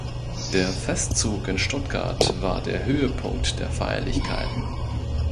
Der Festzug in Stuttgart war der Höhepunkt der Feierlichkeiten.